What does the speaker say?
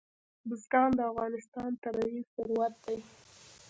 بزګان د افغانستان طبعي ثروت دی.